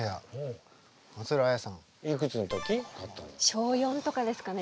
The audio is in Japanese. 小４とかですかね